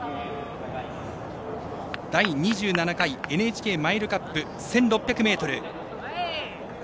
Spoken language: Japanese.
第２７回ＮＨＫマイルカップ１６００ｍ。